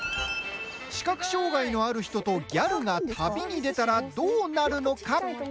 視覚障害のある人とギャルが旅に出たらどうなるのか？